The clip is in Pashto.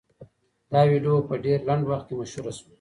دا ویډیو په ډېر لنډ وخت کې مشهوره شوه.